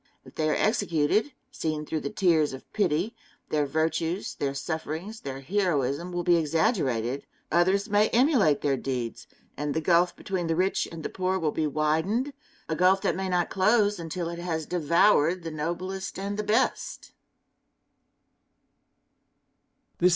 If they are executed, seen through the tears of pity, their virtues, their sufferings, their heroism, will be exaggerated; others may emulate their deeds, and the gulf between the rich and the poor will be widened a gulf that may not close until it has devoured the noblest and the best.